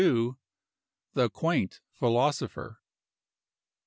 THE QUAINT PHILOSOPHER.